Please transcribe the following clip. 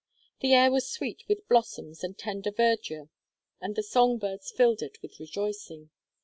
The air was sweet with blossoms and tender verdure, and the song birds filled it with rejoicing.